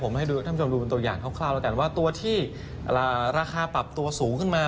ผมให้ท่านผู้ชมดูเป็นตัวอย่างคร่าวแล้วกันว่าตัวที่ราคาปรับตัวสูงขึ้นมา